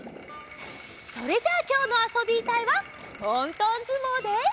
それじゃあきょうの「あそびたい」はとんとんずもうで。